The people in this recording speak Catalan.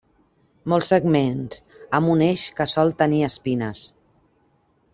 Molts segments, amb un eix que sol tenir espines.